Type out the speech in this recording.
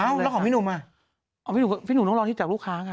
เอ้าแล้วของพี่หนุ่มอ่ะพี่หนุ่มต้องรอที่จากลูกค้าค่ะ